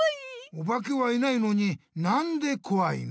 おばけはいないのになんでこわいの？